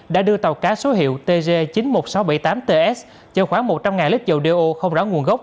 đã đưa tàu cá số hiệu tg chín mươi một nghìn sáu trăm bảy mươi tám ts chở khoảng một trăm linh lít dầu đeo không rõ nguồn gốc